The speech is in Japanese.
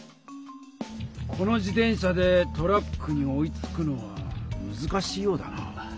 この自転車でトラックに追いつくのはむずかしいようだな。